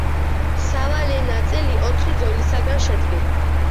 სავალი ნაწილი ოთხი ზოლისაგან შედგება.